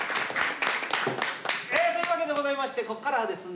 というわけでございましてこっからはですね